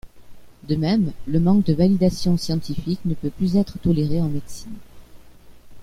De même, le manque de validation scientifique ne peut plus être toléré en médecine.